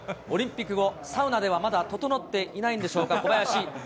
オリンピック後、サウナではまだ整っていないんでしょうか、小林。